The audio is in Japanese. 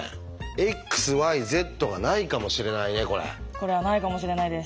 これはないかもしれないです。